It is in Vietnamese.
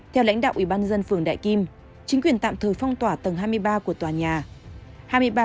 theo lãnh đạo ủy ban dân phường đại kim chính quyền tạm thời phong tỏa tầng hai mươi ba của tòa nhà